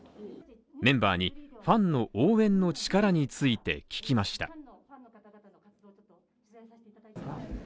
メンバーにファンの応援の力について聞きました。